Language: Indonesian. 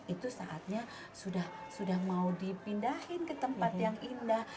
itu saatnya sudah mau dipindahin ke tempat yang indah